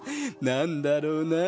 なんだろうなあ？